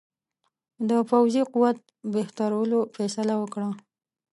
د پوځي قوت بهترولو فیصله وکړه.